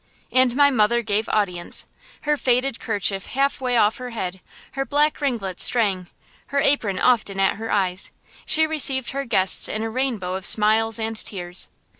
And my mother gave audience. Her faded kerchief halfway off her head, her black ringlets straying, her apron often at her eyes, she received her guests in a rainbow of smiles and tears.